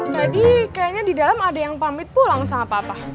jadi kayaknya di dalam ada yang pamit pulang sama papa